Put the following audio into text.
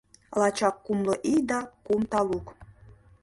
Лачак кумло ий да кум талук.